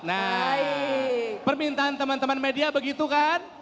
nah permintaan teman teman media begitu kan